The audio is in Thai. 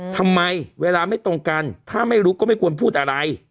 ทำไมเวลาไม่ตรงกันถ้าไม่รู้ก็ไม่ควรพูดอะไร